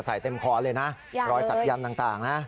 เต็มคอเลยนะรอยศักยันต์ต่างนะ